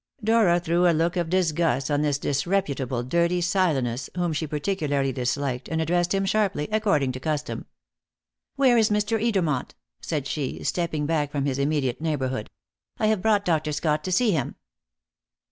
Dora threw a look of disgust on this disreputable, dirty Silenus, whom she particularly disliked, and addressed him sharply, according to custom. "Where is Mr. Edermont?" said she, stepping back from his immediate neighbourhood; "I have brought Dr. Scott to see him."